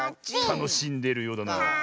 たのしんでいるようだな。